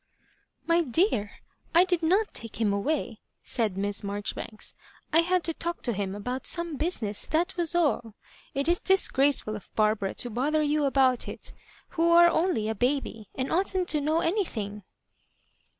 .^ My dear, I did not take him away," said Miss Marjoribanks. I had to talk to him about some— business ; that was all It is disgraceful of Barbara to botlier you about it, who are only a baby, and oughtn't to know anything."